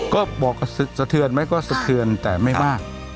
ก็บอกสะเทือนไหมก็สะเทือนแต่ไม่มาก